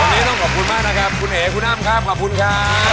วันนี้ต้องขอบคุณมากคุณเหคุณอ้ำขอบคุณค่ะ